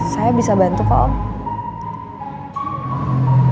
saya bisa bantu pak om